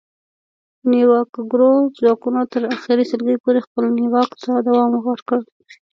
نیواکګرو ځواکونو تر اخري سلګۍ پورې خپل نیواک ته دوام ورکړ